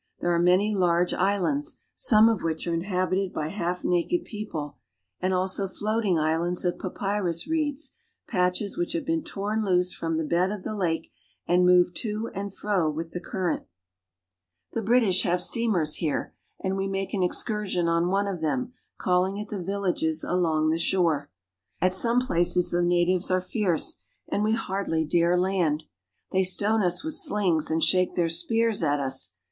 There are many large islands, [ some of which are inhabited by half naked people, and I Also floating islands of papyrus reeds, patches which have 1 torn loose from the bed of the lake and move to and fro with the current. 140 AFRICA The British have steamers here, and we make an excur sion on one of them, calling at the villages along the shore. At some places the natives are fierce, and we hardly dare land. They stone us with slings, and shake their spears at us.